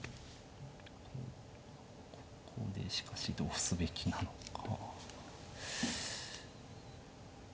ここでしかしどうすべきなのか。